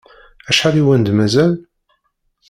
Acḥal i wen-d-mazal?